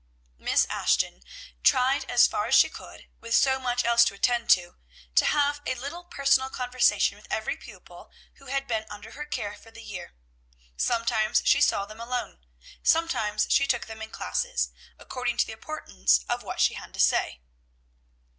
Miss Ashton tried as far as she could, with so much else to attend to, to have a little personal conversation with every pupil who had been under her care for the year. Sometimes she saw them alone, sometimes she took them in classes, according to the importance of what she had to say.